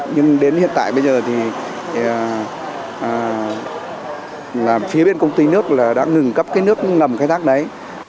nhưng đến hiện tại bây giờ thì là phía bên công ty nước là đã ngừng cấp cái nước ngầm khai thác đấy